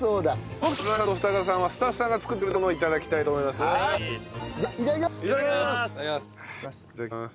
僕と田中さんと二川さんはスタッフさんが作ってくれたものを頂きたいと思います。